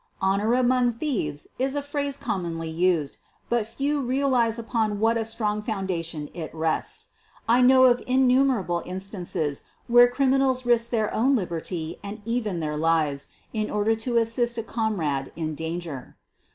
"Honor amon£ thieves '' is a phrase commonly used, but few realize upon what a strong foundation it rests. I know of innumerable instances where criminals risked their own liberty and even their lives in order to assist a comrade in danger.